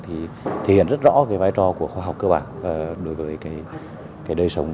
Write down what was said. thì thể hiện rất rõ cái vai trò của khoa học cơ bản đối với cái đời sống